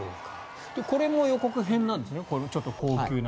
これも予告編なんですね